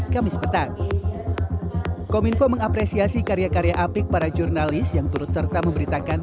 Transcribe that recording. kamis petang kominfo mengapresiasi karya karya apik para jurnalis yang turut serta memberitakan